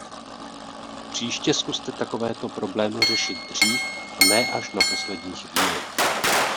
Příště zkuste takovéto problémy řešit dřív a ne až na poslední chvíli.